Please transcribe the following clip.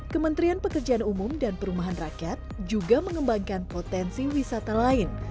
kementerian pekerjaan umum dan perumahan rakyat juga mengembangkan potensi wisata lain